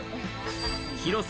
広さ